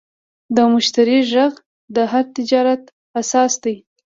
د مشتری غږ د هر تجارت اساس دی.